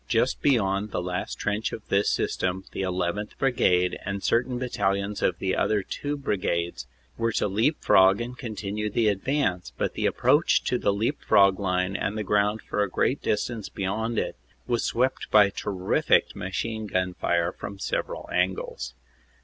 Just beyond the last trench of this system the 1 1th. Brigade and cer tain battalions of the other two brigades were to leap frog and continue the advance, but the approach to the leap frog line and the ground for a great distance beyond it was swept by terrific machine gun fire from several angles.